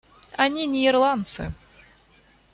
Они не ирландцы.